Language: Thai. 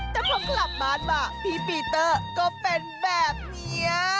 แต่พอกลับบ้านมาพี่ปีเตอร์ก็เป็นแบบนี้